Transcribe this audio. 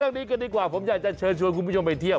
เรื่องนี้ก็ดีกว่าผมอยากจะเชิญชวนคุณผู้ชมไปเทียบ